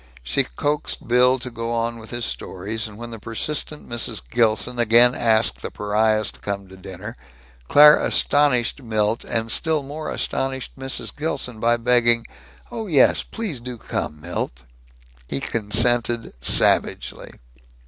She coaxed Bill to go on with his stories, and when the persistent Mrs. Gilson again asked the pariahs to come to dinner, Claire astonished Milt, and still more astonished Mrs. Gilson, by begging, "Oh yes, please do come, Milt." He consented, savagely.